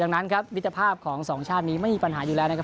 ดังนั้นครับมิตรภาพของสองชาตินี้ไม่มีปัญหาอยู่แล้วนะครับ